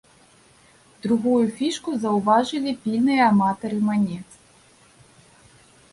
Другую фішку заўважылі пільныя аматары манет.